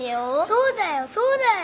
そうだよそうだよ。